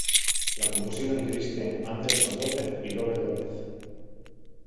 La compusieron Kristen Anderson-Lopez y Robert Lopez.